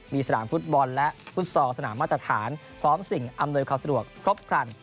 มีสนามฟุตบอลและฟุตซอลสนามมาตรฐานพร้อมสิ่งอำนวยความสะดวกครบครัน